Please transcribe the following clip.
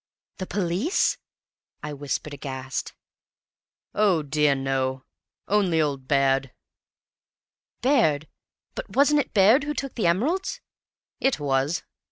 "The police?" I whispered aghast. "Oh, dear, no; only old Baird." "Baird! But wasn't it Baird who took the emeralds?" "It was."